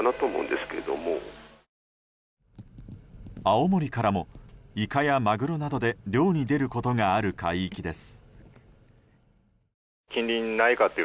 青森からもイカやマグロなどで漁に出ることがある海域です。